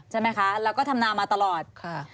ใช่ไหมคะแล้วก็ทำนามาตลอดค่ะ